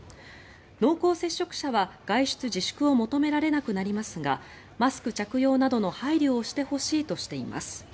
濃厚接触者は外出自粛を求められなくなりますがマスク着用などの配慮をしてほしいとしています。